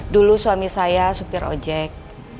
dulu suami saya supir ojek